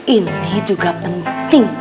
ini juga penting